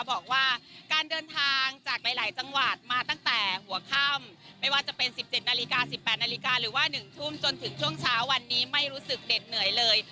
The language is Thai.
บอกว่าการเดินทางจากหลายจังหวัดมาตั้งแต่หัวค่ำไม่ว่าจะเป็น๑๗นาฬิกา๑๘นาฬิกาหรือว่า๑ทุ่มจนถึงช่วงเช้าวันนี้ไม่รู้สึกเด็ดเหนื่อยเลย